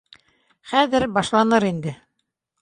Хәҙер башланыр инде